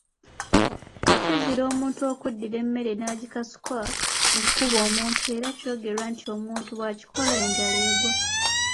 Kizira omuntu okuddira emmere n’agikasuka okukuba omuntu era kyogerwa nti omuntu bw’akikola enjala egwa.